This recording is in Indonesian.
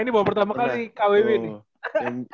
ini baru pertama kali di kwb nih